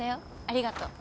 ありがとう。